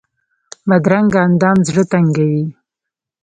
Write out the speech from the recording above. بدرنګه اندام زړه تنګوي